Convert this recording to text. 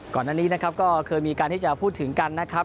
ก่อนหน้านี้ก็เคยมีการที่จะพูดถึงกันนะครับ